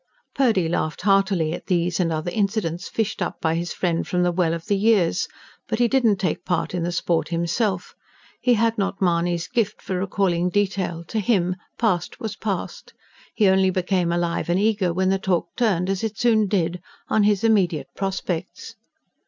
Purdy laughed heartily at these and other incidents fished up by his friend from the well of the years; but he did not take part in the sport himself. He had not Mahony's gift for recalling detail: to him past was past. He only became alive and eager when the talk turned, as it soon did, on his immediate prospects.